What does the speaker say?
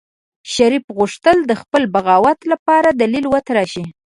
شريف غوښتل د خپل بغاوت لپاره دليل وتراشي.